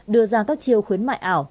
đưa ra các chiêu khuyến mại ảo